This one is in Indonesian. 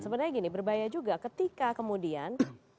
sebenarnya gini berbahaya juga ketika kemudian